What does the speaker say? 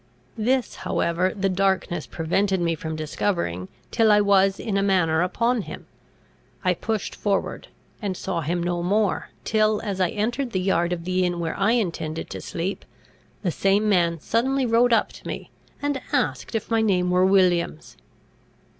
This however the darkness prevented me from discovering, till I was in a manner upon him. I pushed forward, and saw him no more, till, as I entered the yard of the inn where I intended to sleep, the same man suddenly rode up to me, and asked if my name were Williams.